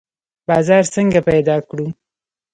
بازار څنګه پیدا کړو؟